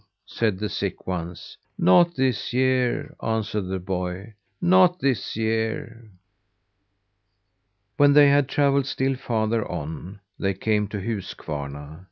said the sick ones. "Not this year," answered the boy. "Not this year." When they had travelled still farther on, they came to Huskvarna.